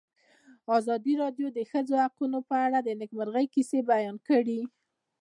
ازادي راډیو د د ښځو حقونه په اړه د نېکمرغۍ کیسې بیان کړې.